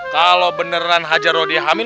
kalo beneran hajar rodi hamil